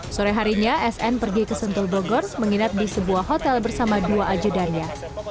sore harinya sn pergi ke sentul bogor menginap di sebuah hotel bersama dua ajudannya